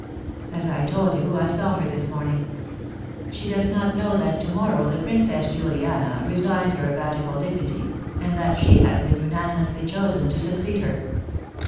As I told you, I saw her this morning. She does not know that to morrow the Princess Juliana resigns her abbatical dignity, and that she has been unanimously chosen to succeed her.